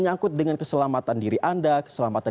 anda akan berkisar antara empat puluh km per jam saja